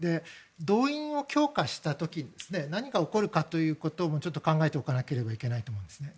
動員を強化した時に何が起こるかということを考えておかなければいけないと思うんですね。